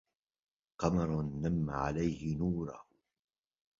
قمر نم عليه نوره